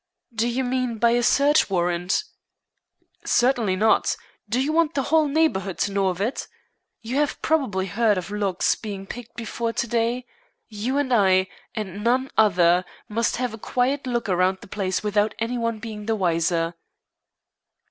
"Do you mean by a search warrant?" "Certainly not. Do you want the whole neighborhood to know of it? You have probably heard of locks being picked before to day. You and I, and none other, must have a quiet look around the place without anyone being the wiser."